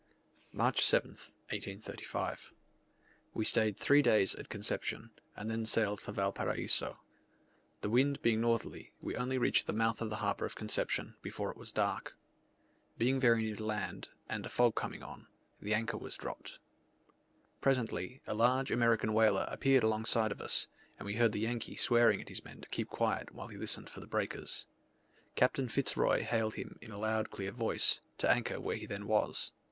MARCH 7th, 1835. We stayed three days at Concepcion, and then sailed for Valparaiso. The wind being northerly, we only reached the mouth of the harbour of Concepcion before it was dark. Being very near the land, and a fog coming on, the anchor was dropped. Presently a large American whaler appeared alongside of us; and we heard the Yankee swearing at his men to keep quiet, whilst he listened for the breakers. Captain Fitz Roy hailed him, in a loud clear voice, to anchor where he then was.